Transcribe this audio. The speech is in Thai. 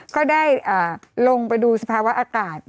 ก็ได้ลงไปดูสภาวะอากาศ